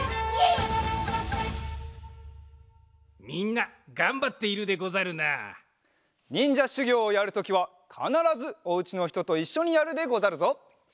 みんながんばっているでござるな。にんじゃしゅぎょうをやるときはかならずおうちのひとといっしょにやるでござるぞ。